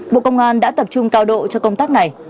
bộ công an đã tập trung cao độ cho công tác này